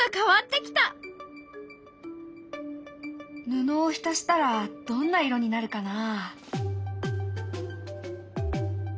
布を浸したらどんな色になるかな？